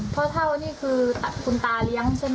พ่อเท่านี่คือทัศน์คุณตาเลี้ยงใช่มั้ย